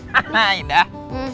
hah nah indah